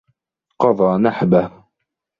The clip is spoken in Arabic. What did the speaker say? قضى نحبه